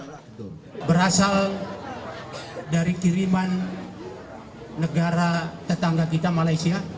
hal dari kiriman negara tetangga kita malaysia